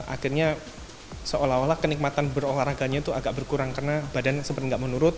akhirnya seolah olah kenikmatan berolahraganya itu agak berkurang karena badan sebenarnya enggak menurut